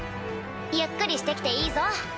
ゆっくりしてきていいぞ。